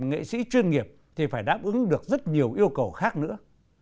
nghệ sĩ chuyên nghiệp thì phải đáp ứng được rất nhiều yêu cầu khác nữa